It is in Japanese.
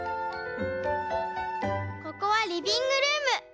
「ここはリビングルーム。